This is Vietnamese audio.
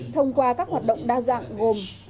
thông qua các hoạt động đa dạng gồm